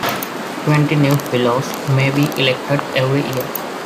Twenty new Fellows may be elected every year.